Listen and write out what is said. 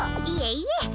いえいえ